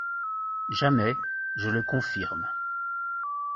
Jamais, je le confirme.